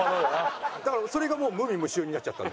だからそれがもう無味無臭になっちゃった。